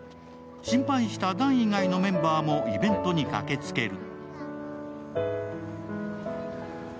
心配した弾以外のメンバーもイベントに駆けつける。